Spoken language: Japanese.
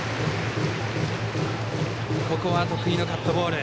ここは得意のカットボール。